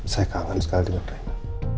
saya kangen sekali dengan rena